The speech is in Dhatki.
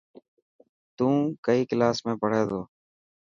تون ڪئي ڪلاس ۾ پڙهي ٿو.